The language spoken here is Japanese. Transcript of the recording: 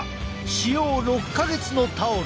使用６か月のタオル。